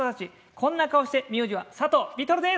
こんな顔して名字は佐藤、ヴィトルです。